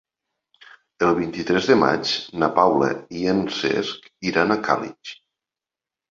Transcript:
El vint-i-tres de maig na Paula i en Cesc iran a Càlig.